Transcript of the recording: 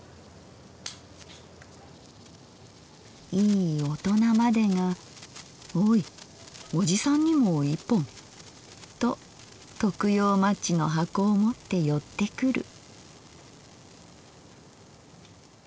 いい大人までが『おいおじさんにも一本』と徳用マッチの箱を持って寄ってくる」。